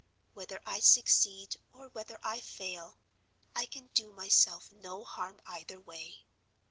Whether I succeed, or whether I fail, I can do myself no harm either way.